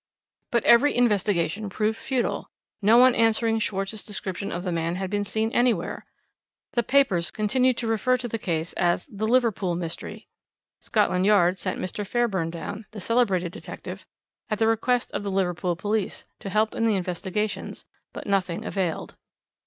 "But every investigation proved futile; no one answering Schwarz's description of the man had been seen anywhere. The papers continued to refer to the case as 'the Liverpool Mystery.' Scotland Yard sent Mr. Fairburn down the celebrated detective at the request of the Liverpool police, to help in the investigations, but nothing availed.